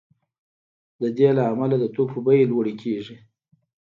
د دې له امله د توکو بیې لوړې کیږي